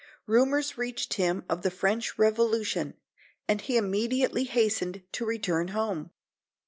Rumors reached him of the French Revolution, and he immediately hastened to return home.